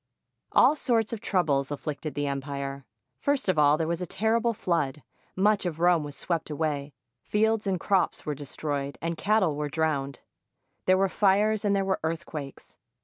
All sorts of troubles afflicted the empire. First of all, there was a terrible flood. Much of Rome was swept away, fields and crops were destroyed, and cattle were drowned. There were fires, and there were earthquakes.